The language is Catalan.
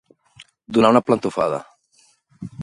Donar una plantofada.